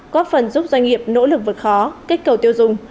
góp phần giúp doanh nghiệp nỗ lực vượt khó kết cầu tiêu dùng